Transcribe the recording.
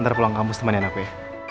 ntar pulang kampus temanin aku ya